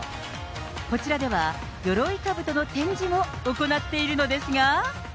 こちらでは、よろいかぶとの展示を行っているのですが。